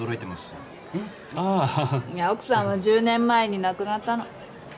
いや奥さんは１０年前に亡くなったの。